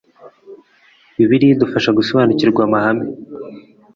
bibiliya idufasha gusobanukirwa amahame